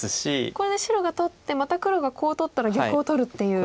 これで白が取ってまた黒がコウを取ったら逆を取るっていう。